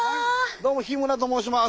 どうも日村と申します。